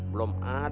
belum ada nih